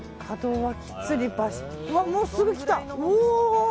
うわ、もうすぐ来た。